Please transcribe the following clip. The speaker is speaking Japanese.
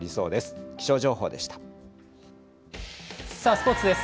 スポーツです。